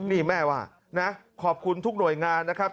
นี่แม่ว่านะขอบคุณทุกหน่วยงานนะครับ